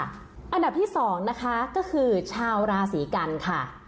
อันดับที่๒นะคะก็คือชาวราศีกันค่ะ